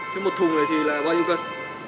thế một thùng này thì là bao nhiêu cân